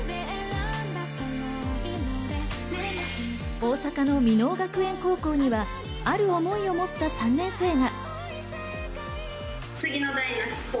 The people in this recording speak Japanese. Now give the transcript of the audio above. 大阪の箕面学園高校には、ある思いをもった３年生が。